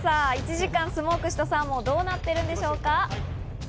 １時間スモークしたサーモンはどうなっているんでしょうか？